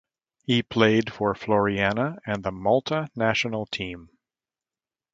He played for Floriana and the Malta national team.